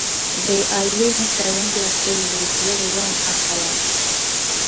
They are using triangular sail with very long upper yard.